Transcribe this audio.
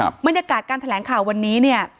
บรรยากาศการแถลงข่าววันนี้เนี่ย